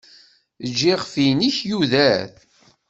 Ejj iɣef-nnek yuder.